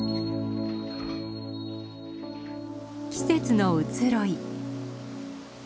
季節の移ろい。